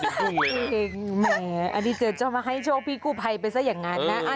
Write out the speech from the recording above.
ที่พุ่งเลยนะอันนี้เจอมาให้โชคพี่กูภัยไปซะอย่างงั้นนะเออ